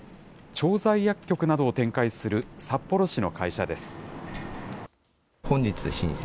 調剤薬局などを展開する札幌市の会社です。